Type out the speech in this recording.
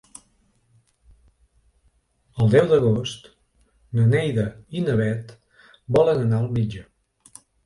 El deu d'agost na Neida i na Bet volen anar al metge.